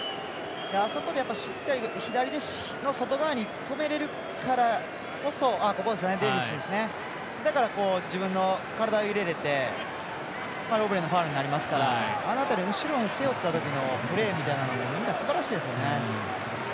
あそこでしっかり左の外側に止めれるからこそ、だから自分の体を入れれてロブレンのファウルになりますからあの辺り、後ろに背負ったときのプレーみたいなものもすばらしいですよね。